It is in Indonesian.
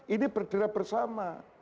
ini berderap bersama